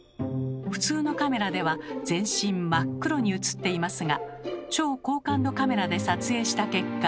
普通のカメラでは全身真っ黒に映っていますが超高感度カメラで撮影した結果。